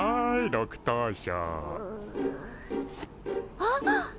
あっ！